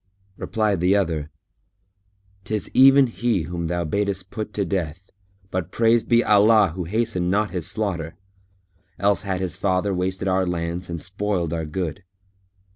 Replied the other, "'Tis even he whom thou badest put to death, but praised be Allah who hastened not his slaughter! Else had his father wasted our lands and spoiled our good."